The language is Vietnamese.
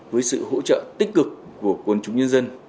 với sự hỗ trợ tích cực của quân chúng nhân dân